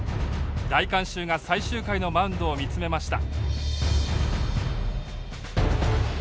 大観衆が最終回のマウンドを見つめました。